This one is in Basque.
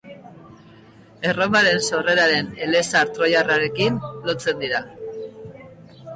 Erromaren sorreraren elezahar troiarrarekin lotzen dira.